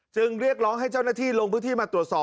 เรียกร้องให้เจ้าหน้าที่ลงพื้นที่มาตรวจสอบ